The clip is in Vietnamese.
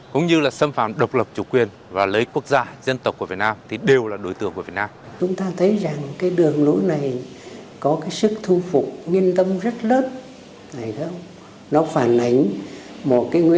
cũng như là xâm phạm độc lập chủ quyền và lấy quốc gia dân tộc của việt nam thì đều là đối tượng của việt nam